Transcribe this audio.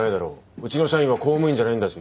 うちの社員は公務員じゃないんだし。